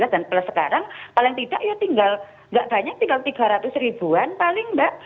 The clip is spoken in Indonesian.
dan sekarang paling tidak ya tinggal tidak banyak tinggal rp tiga ratus paling mbak